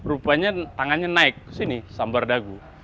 rupanya tangannya naik ke sini sambar dagu